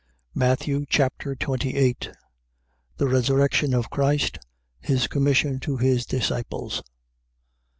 Matthew Chapter 28 The resurrection of Christ. His commission to his disciples.